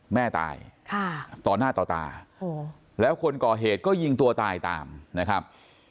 แม่ตายต่อหน้าต่อตาแล้วคนก่อเหตุก็ยิงตัวตายตามนะครับ